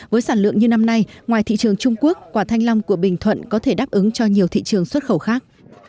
với sản lượng như năm nay ngoài thị trường trung quốc quả thanh long của bình thuận có thể đáp ứng cho nhiều thị trường xuất khẩu khác